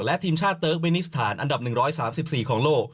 และทีมชาติเติร์กเมนิสถานอันดับ๑๓๔ของโลก